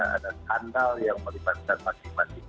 ada skandal yang melibatkan masing masing